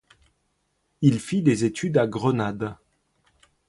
Il fit des études à Grenade.